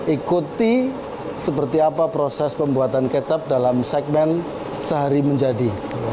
ikuti seperti apa proses pembuatan kecap dalam segmen sehari menjadi